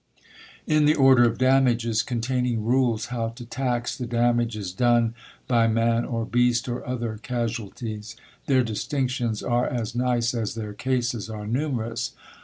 In the order of damages, containing rules how to tax the damages done by man or beast, or other casualties, their distinctions are as nice as their cases are numerous.